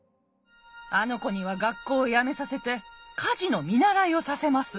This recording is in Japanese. あの子には学校をやめさせて家事の見習いをさせます。